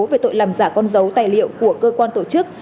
về tội làm giả con dấu tài liệu của cơ quan tổ chức